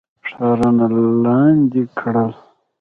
ښارونه لاندي کړل.